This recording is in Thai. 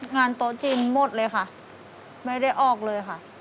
โต๊ะจีนหมดเลยค่ะไม่ได้ออกเลยค่ะ